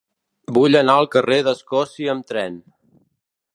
Vull anar al carrer d'Escòcia amb tren.